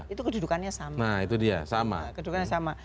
itu kedudukannya sama